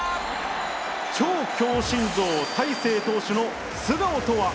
超強心臓、大勢投手の素顔とは。